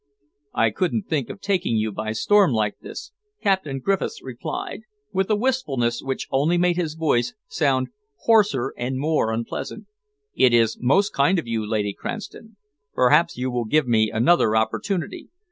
"I couldn't think of taking you by storm like this," Captain Griffiths replied, with a wistfulness which only made his voice sound hoarser and more unpleasant. "It is most kind of you, Lady Cranston. Perhaps you will give me another opportunity."